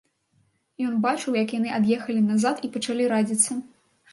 Ён бачыў, як яны ад'ехалі назад і пачалі радзіцца.